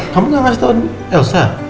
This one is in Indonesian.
kamu gak ngasih tau elsa